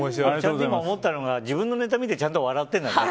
今思ったのが自分のネタを見てちゃんと笑ってるんだね。